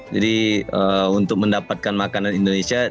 jadi untuk mendapatkan makanan indonesia